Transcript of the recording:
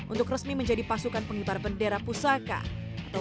untuk resmi menjadi pasukan pengibar bendera pusaka